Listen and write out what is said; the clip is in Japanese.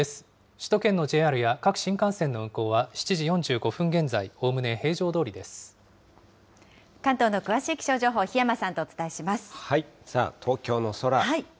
首都圏のＪＲや各新幹線の運行は７時４５分現在、おおむね平常ど関東の詳しい気象情報、檜山東京の空。